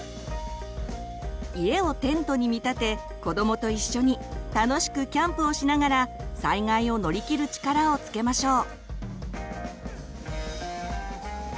家をテントに見立て子どもと一緒に楽しくキャンプをしながら災害を乗り切る力をつけましょう。